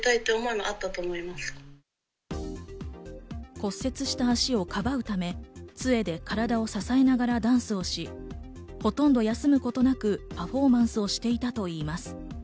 骨折した足をかばうため、杖で体を支えながらダンスをし、ほとんど休むことなくパフォーマンスをしていたといいます。